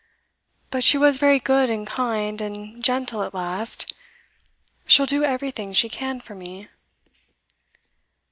But she was very good and kind and gentle at last. She'll do everything she can for me.